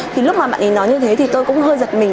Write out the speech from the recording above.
thì lúc mà bạn ấy nói như thế thì tôi cũng hơi giật mình